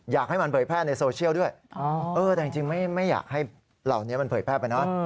อยากให้มันเผยแพร่ในโซเชียลด้วยแต่จริงไม่อยากให้เหล่านี้มันเผยแพร่ไปเนอะ